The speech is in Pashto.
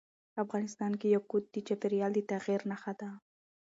افغانستان کې یاقوت د چاپېریال د تغیر نښه ده.